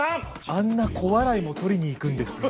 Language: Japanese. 「あんな小笑いも取りにいくんですね」。